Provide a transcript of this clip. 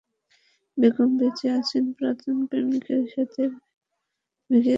বেগম বেঁচে আছেন, পুরাতন প্রেমিকের সাথে ভেগে গেছেন।